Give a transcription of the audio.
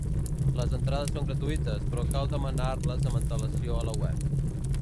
Les entrades són gratuïtes, però cal demanar-les amb antelació a la web.